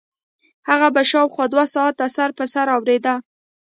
هغه به شاوخوا دوه ساعته سر په سر اورېده.